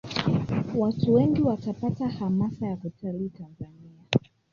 Watu wengi watapata hamasa ya kutalii tanzania